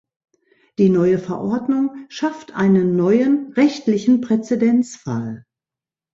Die neue Verordnung schafft einen neuen rechtlichen Präzedenzfall.